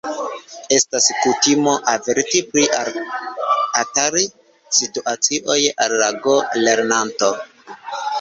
Estas kutimo averti pri atari-situacioj al go-lernanto.